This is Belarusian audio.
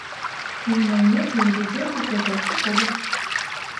І ў мяне, і ў людзей, якія заўжды побач.